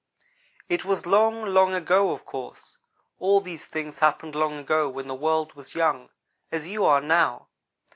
"It was long, long ago, of course. All these things happened long ago when the world was young, as you are now.